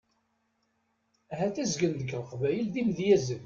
Ahat azgen deg Leqbayel d imedyazen.